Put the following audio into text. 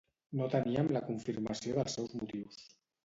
No teníem la confirmació dels seus motius.